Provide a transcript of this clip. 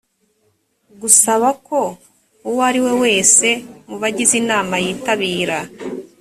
gusaba ko uwo ari we wese mu bagize inama yitabira